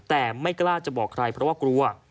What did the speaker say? แต่ไม่กล้าจะบอกใครเพราะว่ากลัว